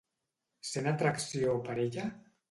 Sent atracció per ella?